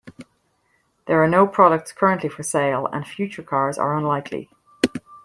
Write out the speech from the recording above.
There are no products currently for sale, and future cars are unlikely.